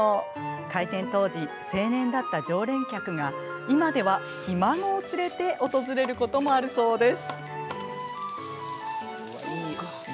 開店当時、青年だった常連客が今では、ひ孫を連れて訪れることもあるそうです。